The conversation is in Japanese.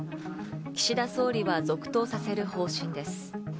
岸田総理は続投させる方針です。